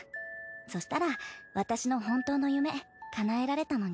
そしたら私の本当の夢かなえられたのに。